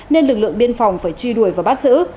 nên lực lượng biên phòng phải truy đuổi và bắt giữ